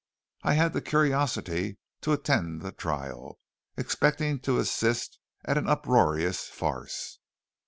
I had the curiosity to attend the trial, expecting to assist at an uproarious farce.